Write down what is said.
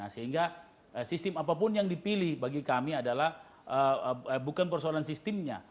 sehingga sistem apapun yang dipilih bagi kami adalah bukan persoalan sistemnya